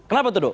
kenapa tuh dut